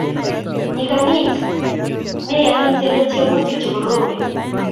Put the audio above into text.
Nyikanit neyain itelel tiemutik che koromen